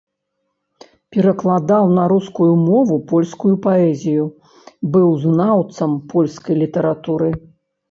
Перакладаў на рускую мову польскую паэзію, быў знаўцам польскай літаратуры.